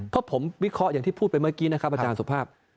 เพราะผมวิเคราะห์อย่างที่พูดไปเมื่อกี้นะครับอาจารย์สุภาพ